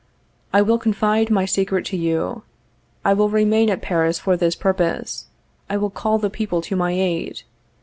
_ I will confide my secret to you. I will remain at Paris for this purpose; I will call the people to my aid.